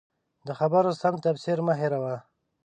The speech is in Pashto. د خبرو سم تفسیر مه هېروه.